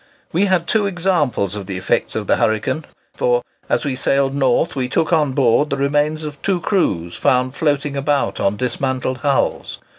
We had two examples of the effects of the hurricane; for, as we sailed north we took on board the remains of two crews found floating about on dismantled hulls.